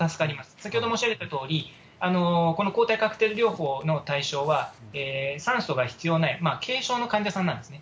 先ほど申し上げたとおり、この抗体カクテル療法の対象は、酸素が必要ない軽症の患者さんなんですね。